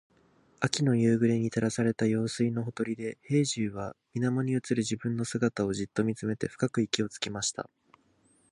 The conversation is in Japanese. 秋の夕暮れに照らされた用水のほとりで、兵十は水面に映る自分の姿をじっと見つめて深く息をつきました。